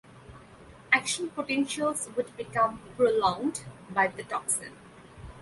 Action potentials would become prolonged by the toxin.